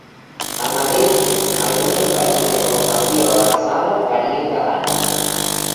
Tanmateix, algunes ofertes de Col·locació Avançada varien cada any.